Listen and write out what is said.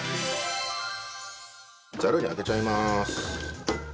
ザルにあけちゃいます。